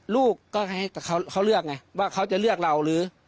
ลูกก็ให้เขาเลือกไงว่าเขาจะเลือกเราหรือ